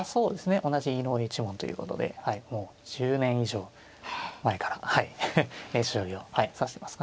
同じ井上一門ということではいもう１０年以上前から練習将棋を指していますかね。